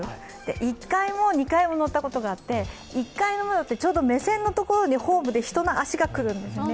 １階も２階も乗ったことがあって、１階はちょうど目線のところにホームで人の足が来るんですね。